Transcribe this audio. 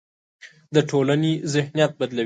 د ټولنې ذهنیت بدلوي.